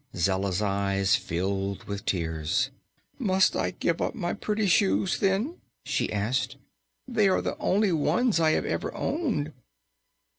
Zella's eyes filled with tears. "Must I give up my pretty shoes, then?" she asked. "They are the only ones I have ever owned."